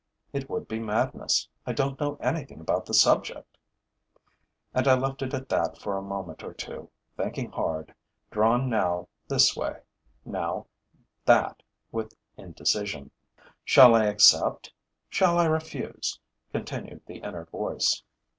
'It would be madness: I don't know anything about the subject!' And I left it at that for a moment or two, thinking hard, drawn now this way, now that with indecision: 'Shall I accept? Shall I refuse?' continued the inner voice.